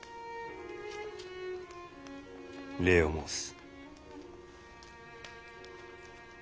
礼を申す。